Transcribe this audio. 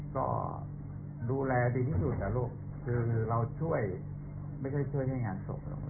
ก็ดูแลดีที่สุดนะลูกคือเราช่วยไม่ใช่ช่วยให้งานศพหรอก